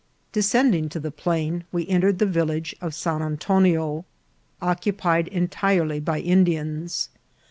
Descending to the plain, we entered the vil lage of San Antonio, occupied entirely by Indians.